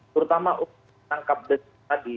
terutama untuk menangkap detik tadi